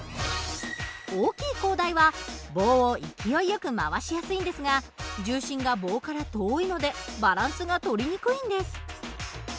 大きい高台は棒を勢いよく回しやすいんですが重心が棒から遠いのでバランスが取りにくいんです。